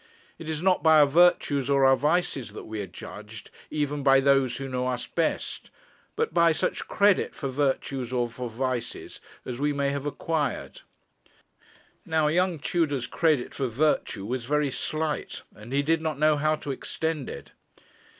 It is not by our virtues or our vices that we are judged, even by those who know us best; but by such credit for virtues or for vices as we may have acquired. Now young Tudor's credit for virtue was very slight, and he did not know how to extend it.